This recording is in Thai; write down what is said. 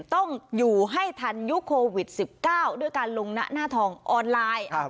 ต้องอยู่ให้ทันยุคโควิดสิบเก้าด้วยการลงหน้าหน้าทองออนไลน์ครับ